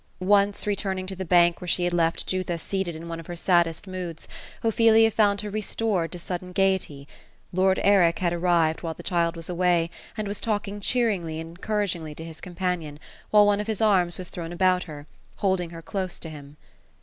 Once, returning to the bank where she had left Jutha seated in one of her saddest moods, Ophelia found her restored to sudden gaiety. Lord Eric had arrived, while the child was away, and was talking cheeringly and encouragingly to his companion, while one of his arms was thrown about her, holding her close to him.